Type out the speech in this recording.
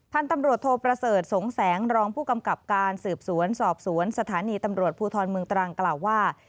พันธุ์ตำรวจโทประเสริฐสงแสงรองผู้กำกับการสืบสวนสอบสวนสถานีตำรวจภูทรเมืองตรังกล่าวว่า